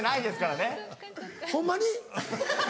ホンマに？